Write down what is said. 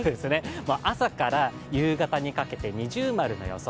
朝から、夕方にかけて◎の予想。